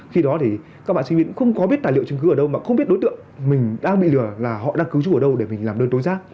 khi đó thì các bạn sinh viên cũng không có biết tài liệu chứng cứ ở đâu mà không biết đối tượng mình đang bị lừa là họ đang cứu chú ở đâu để mình làm đơn tối giác